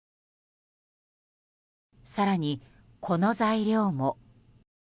更に、この材料も。